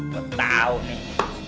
kau tahu nih